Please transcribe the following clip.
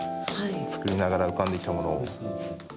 作りながら浮かんできたものを。